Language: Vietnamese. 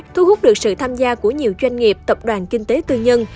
thu hút được sự tham gia của nhiều doanh nghiệp tập đoàn kinh tế tư nhân